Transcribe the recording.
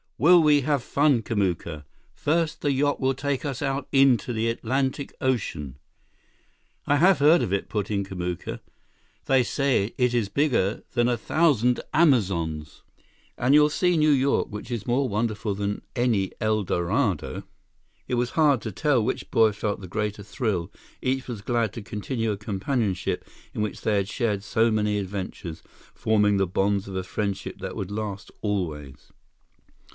"Will we have fun, Kamuka! First, the yacht will take us out into the Atlantic Ocean—" "I have heard of it," put in Kamuka. "They say it is bigger than a thousand Amazons." "And you'll see New York, which is more wonderful than any El Dorado!" It was hard to tell which boy felt the greater thrill. Each was glad to continue a companionship in which they had shared so many adventures, forming the bonds of a friendship that would last always.